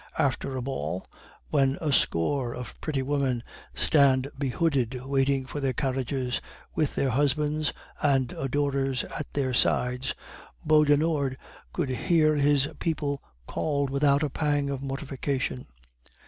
After a ball, when a score of pretty women stand behooded waiting for their carriages, with their husbands and adorers at their sides, Beaudenord could hear his people called without a pang of mortification.